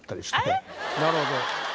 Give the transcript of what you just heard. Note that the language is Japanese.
なるほど。